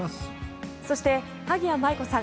そして萩谷麻衣子さん